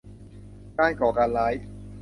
การก่อการร้าย